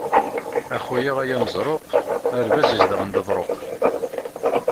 A xuya ay ameṛẓuq, a lbaz izedɣen leḍṛuq.